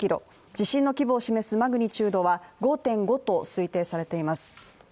地震の規模を示すマグニチュードは５．５と推定されています。